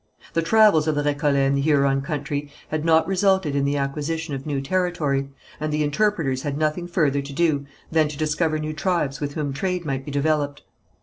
The travels of the Récollets in the Huron country had not resulted in the acquisition of new territory, and the interpreters had nothing further to do than to discover new tribes with whom trade might be developed.